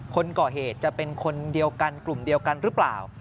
คนก่อเหตุจะเป็นคนเดียวกันกลุ่มเดียวกันหรือเปล่า